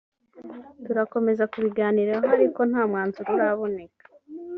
turakomeza kubiganiraho ariko nta mwanzuro uraboneka